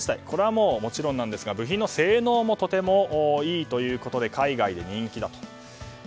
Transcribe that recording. これはもちろんなんですが部品の性能もとてもいいということで海外で人気だと。